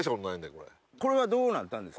これはどうなったんですか？